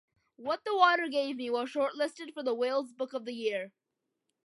"What the Water Gave Me" was shortlisted for the Wales Book of the Year.